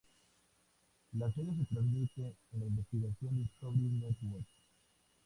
La serie se transmite en la Investigation Discovery Network.